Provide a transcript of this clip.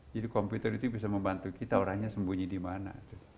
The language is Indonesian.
jadi komputer itu bisa membantu kita orangnya sembunyi di mana